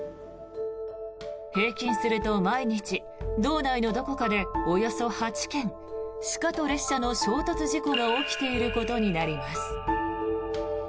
平均すると毎日道内のどこかでおよそ８件鹿と列車の衝突事故が起きていることになります。